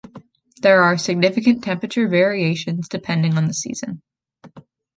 There are significant temperature variations depending on season.